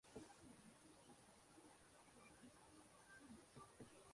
Desde entonces se ha expandido a las redes sociales.